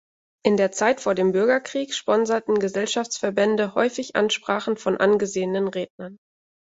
In der Zeit vor dem Bürgerkrieg sponserten Gesellschaftsverbände häufig Ansprachen von angesehenen Rednern.